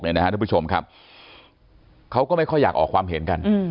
ท่านผู้ชมครับเขาก็ไม่ค่อยอยากออกความเห็นกัน